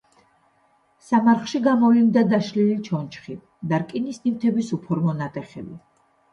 სამარხში გამოვლინდა დაშლილი ჩონჩხი და რკინის ნივთების უფორმო ნატეხები.